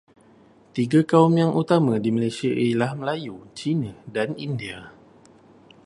Tiga kaum yang utama di Malaysia ialah Melayu, Cina dan India.